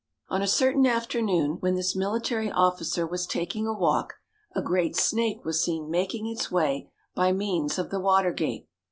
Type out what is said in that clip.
On a certain afternoon when this military officer was taking a walk, a great snake was seen making its way by means of the Water Gate.